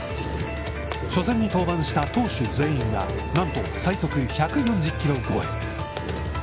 初戦に登板した投手全員がなんと、最速１４０キロ超え。